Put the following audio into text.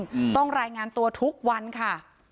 อืมต้องรายงานตัวทุกวันค่ะ